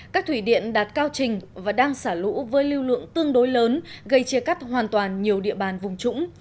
các thủy điện đạt cao trình và đang xả lũ với lưu lượng tương đối lớn gây chia cắt hoàn toàn nhiều địa bàn vùng trũng